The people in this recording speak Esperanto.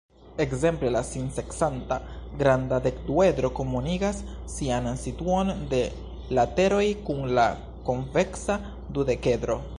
Ekzemple la sin-sekcanta granda dekduedro komunigas sian situon de lateroj kun la konveksa dudekedro.